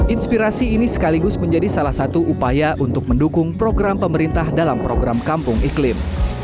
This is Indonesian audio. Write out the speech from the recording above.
inspirasi ini sekaligus menjadi salah satu upaya untuk mendukung program pemerintah dalam program kampung iklim